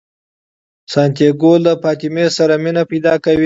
سانتیاګو له فاطمې سره مینه پیدا کوي.